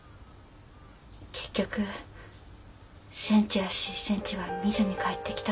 結局戦地らしい戦地は見ずに帰ってきたの。